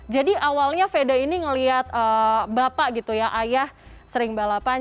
jadi awalnya veda ini ngeliat bapak gitu ya ayah sering balapan